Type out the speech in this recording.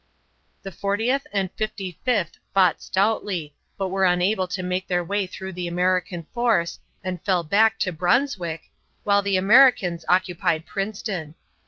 The Fortieth and Fifty fifth fought stoutly, but were unable to make their way through the American force, and fell back to Brunswick, while the Americans occupied Princeton.